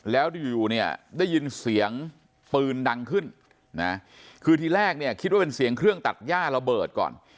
แล้วอยู่เนี่ยได้ยินเสียงปืนดังขึ้นนะคือทีแรกเนี่ยคิดว่าเป็นเสียงเครื่องตัดย่าระเบิดก่อน